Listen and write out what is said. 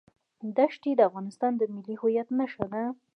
دښتې د افغانستان د ملي هویت نښه ده.